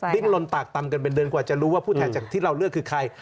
ลนตากตำกันเป็นเดือนกว่าจะรู้ว่าผู้แทนจากที่เราเลือกคือใคร